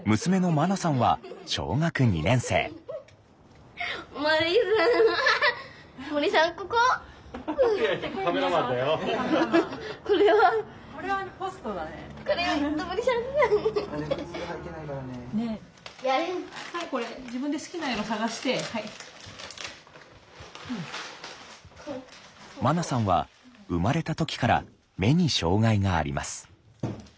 まなさんは生まれた時から目に障害があります。